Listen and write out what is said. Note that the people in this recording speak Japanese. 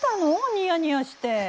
ニヤニヤして。